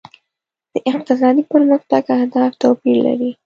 د اقتصادي پرمختګ اهداف توپیر لري.